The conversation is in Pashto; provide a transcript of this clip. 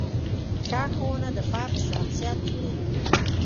ښه ښوونه د فرد شخصیت جوړوي.